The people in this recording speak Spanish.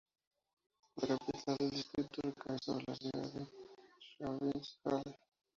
La capital del distrito recae sobre la ciudad de Schwäbisch Hall.